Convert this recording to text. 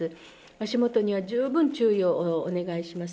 足元には十分注意をお願いします。